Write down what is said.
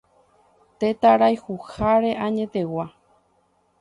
Tetãrayhuhára añetegua.